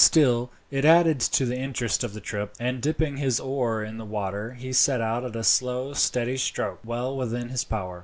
Still it added to the interest of the trip; and dipping his oar in the water he set out at a slow, steady stroke well within his power.